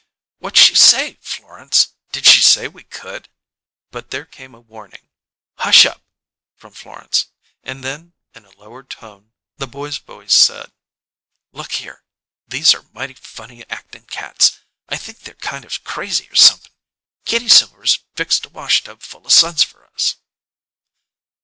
"What she say, Flor'nce? D'she say we could?" But there came a warning "Hush up!" from Florence, and then, in a lowered tone, the boy's voice said: "Look here; these are mighty funny actin' cats. I think they're kind of crazy or somep'n. Kitty Silver's fixed a washtub full o' suds for us."